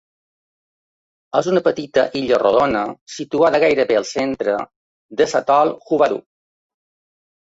És una petita illa rodona situada gairebé al centre de l'atol Huvadhu.